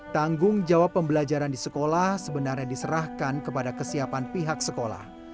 tanggung jawab pembelajaran di sekolah sebenarnya diserahkan kepada kesiapan pihak sekolah